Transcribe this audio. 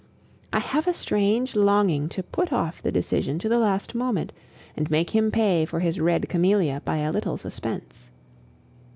I have a strange longing to put off the decision to the last moment, and make him pay for his red camellia by a little suspense.